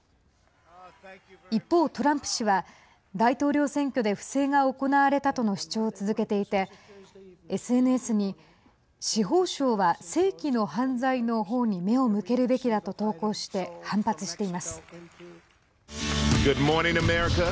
一方、トランプ氏は大統領選挙で不正が行われたとの主張を続けていてＳＮＳに司法省は世紀の犯罪のほうに目を向けるべきだと投稿して反発しています。